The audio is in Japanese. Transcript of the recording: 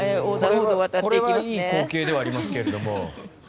これはいい光景ではありますが。